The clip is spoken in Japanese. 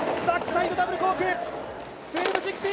バックサイドダブルコーク１２６０。